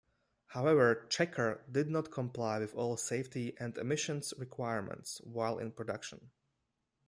However, Checker did comply with all safety and emissions requirements while in production.